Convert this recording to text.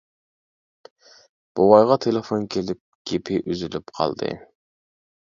بوۋايغا تېلېفون كېلىپ گېپى ئۈزۈلۈپ قالدى.